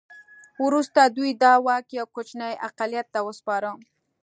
وروسته دوی دا واک یو کوچني اقلیت ته وسپاره.